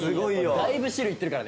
だいぶ汁いってるからね